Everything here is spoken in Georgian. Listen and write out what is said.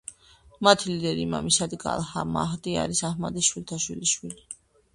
მათი ლიდერი იმამი სადიქ ალ-მაჰდი არის აჰმადის შვილთაშვილის შვილი.